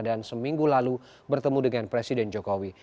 dan seminggu lalu bertemu dengan presiden jokowi